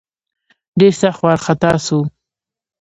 ډېر سخت وارخطا سو.